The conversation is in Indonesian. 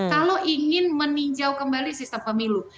kalau ingin meninjau kembali sistem pemilu